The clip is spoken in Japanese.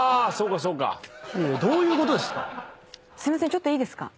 ちょっといいですか。